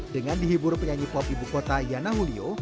dengan dihibur penyanyi pop ibu kota yana wulio